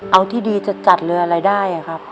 เอาที่ดีจัดเลยอะไรได้อะครับ